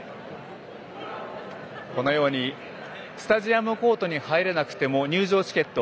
このようにスタジアムコートに入れなくても入場チケット